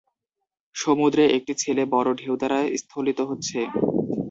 সমুদ্রে একটি ছেলে বড় ঢেউ দ্বারা স্খলিত হচ্ছে।